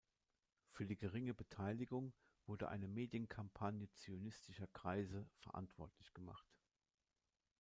Für die geringe Beteiligung wurde eine Medienkampagne „zionistischer Kreise“ verantwortlich gemacht.